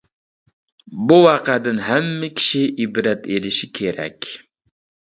بۇ ۋەقەدىن ھەممە كىشى ئىبرەت ئېلىشى كېرەك.